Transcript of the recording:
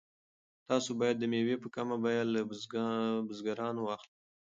تاسو باید مېوې په کمه بیه له بزګرانو واخلئ.